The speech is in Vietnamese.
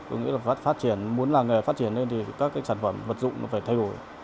muốn làng nghề phát triển lên thì các cái sản phẩm vật dụng nó phải thay đổi